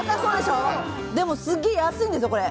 でも、すっげえ安いんですよ。